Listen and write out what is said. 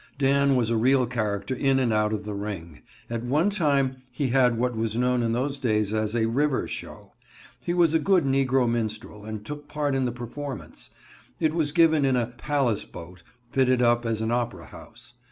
Dan was a real character in and out of the ring. At one time he had what was known in those days as a "river show." He was a good negro minstrel, and took part in the performance. It was given in a "Palace Boat," fitted up as an opera house.